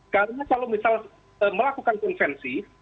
karena kalau misal melakukan konvensi